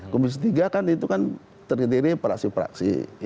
komisi tiga kan itu kan terdiri praksi praksi